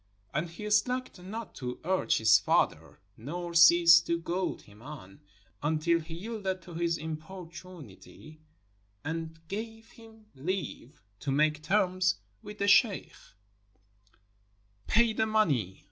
And he slacked not to urge his father, nor ceased to goad him on, until he yielded to his im portunity and gave him leave to make terms with the sheikh. "Pay the money!"